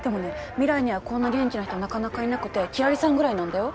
未来にはこんな元気な人なかなかいなくて輝星さんぐらいなんだよ